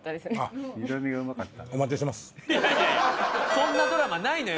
そんなドラマないのよ